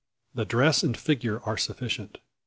The dress and figure are sufficient.